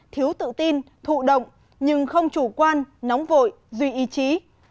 thiếu tự tin thụ động nhưng không chủ quan nóng vội duy ý chí